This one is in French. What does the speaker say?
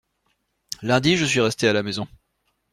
Lundi je suis resté à la maison.